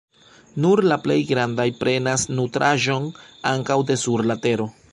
Nur la plej grandaj prenas nutraĵon ankaŭ de sur la tero.